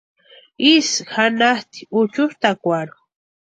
Isï janhatʼi úchʼutakwarhu.